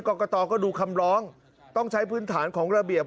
กรกตก็ดูคำร้องต้องใช้พื้นฐานของระเบียบ